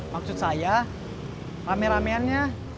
maksud saya rame rameannya